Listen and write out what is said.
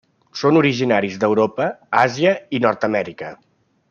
Són originaris d'Europa, Àsia i Nord-amèrica.